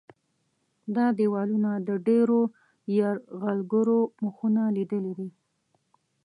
دا دیوالونه د ډېرو یرغلګرو مخونه لیدلي دي.